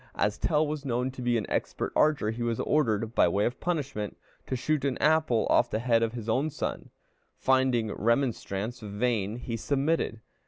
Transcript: As Tell was known to be an expert archer, he was ordered, by way of punishment, to shoot an apple off the head of his own son. Finding remonstrance vain, he submitted.